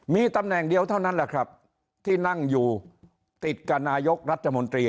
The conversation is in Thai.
มีตำแหน่งเดียวเท่านั้นแหละครับที่นั่งอยู่ติดกับนายกรัฐมนตรี